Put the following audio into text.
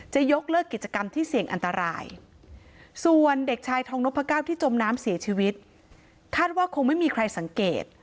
จะยกเลิกกิจกรรมที่เสี่ยงอันตรายส่วนเด็กชายทองนพก้าวที่จมน้ำเสียชีวิตคาดว่าคงไม่มีใครสังเกต